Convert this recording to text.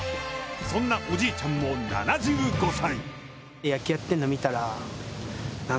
そんなおじいちゃんも７５歳。